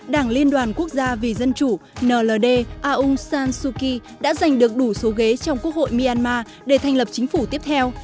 đảng liên đoàn quốc gia vì dân chủ nld aung san suu kyi đã giành được đủ số ghế trong quốc hội myanmar để thành lập chính phủ tiếp theo